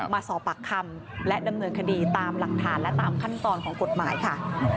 มาสอบปากคำและดำเนินคดีตามหลักฐานและตามขั้นตอนของกฎหมายค่ะ